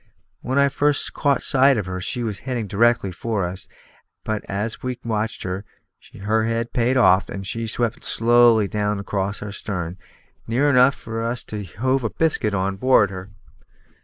When I first caught sight of her, she was heading directly for us; but as we watched her, her head paid off, and she swept slowly down across our stern, near enough for us to have hove a biscuit on board her.